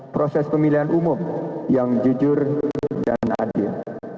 proses pemilihan umum yang jujur dan adil